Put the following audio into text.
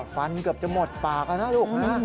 ฟันเกือบจะหมดปากแล้วนะลูกนะ